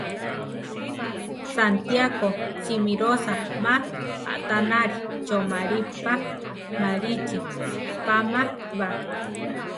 Santiáko simírosa má aʼtanáli choʼmalí pa, malíchi páma ba.